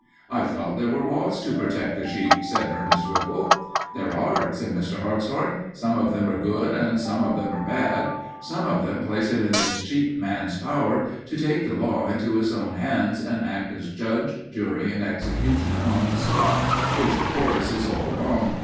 "I thought there were laws to protect the sheep," said Ernest Whipple. "There are," said Mr. Hartshorn. "Some of them are good and some of them are bad. Some of them place it in the sheep man's power to take the law into his own hands and act as judge, jury, and executioner on the spot, which of course is all wrong.